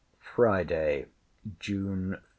FRIDAY, JUNE 30.